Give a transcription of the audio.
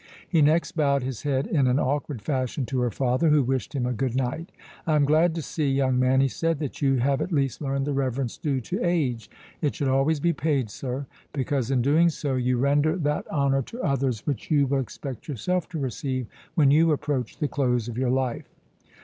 He next bowed his head in an awkward fashion to her father, who wished him a good night. "I am glad to see, young man," he said, "that you have at least learned the reverence due to age. It should always be paid, sir; because in doing so you render that honour to others which you will expect yourself to receive when you approach the close of your life.